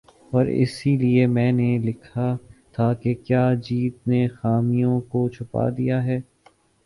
اور اسی لیے میں نے لکھا تھا کہ "کیا جیت نے خامیوں کو چھپا دیا ہے ۔